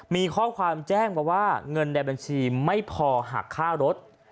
มีข้อความแจ้งมาว่าเงินในบัญชีไม่พอหักค่ารถ